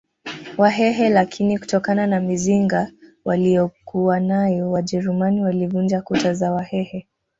Wahehe lakini kutokana na mizinga waliyokuwanayo wajerumani walivunja kuta za wahehe